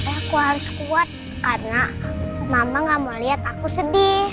aku harus kuat karena mama gak mau lihat aku sedih